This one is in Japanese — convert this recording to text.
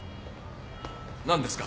何ですか？